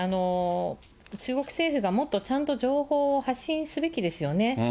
中国政府がもっとちゃんと情報を発信すべきですよね。